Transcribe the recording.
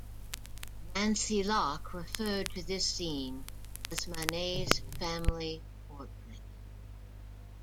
Nancy Locke referred to this scene as Manet's family portrait.